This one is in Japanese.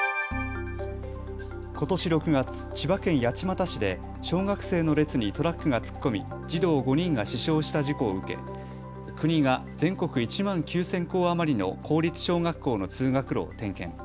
ことし６月、千葉県八街市で小学生の列にトラックが突っ込み児童５人が死傷した事故を受け国が全国１万９０００校余りの公立小学校の通学路を点検。